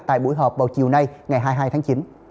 tại buổi họp vào chiều nay ngày hai mươi hai tháng chín